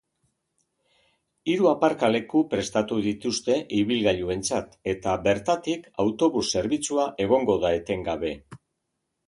Hiru aparkaleku prestatu dituzte ibilgailuentzat, eta bertatik autobus zerbitzua egongo da etengabe.